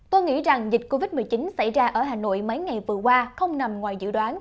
tôi nghĩ rằng dịch covid một mươi chín xảy ra ở hà nội mấy ngày vừa qua không nằm ngoài dự đoán